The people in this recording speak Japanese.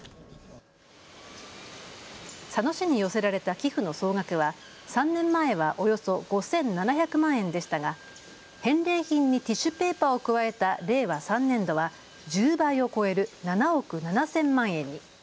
佐野市に寄せられた寄付の総額は３年前はおよそ５７００万円でしたが返礼品にティッシュペーパーを加えた令和３年度は１０倍を超える７億７０００万円に。